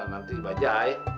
nanti baca ya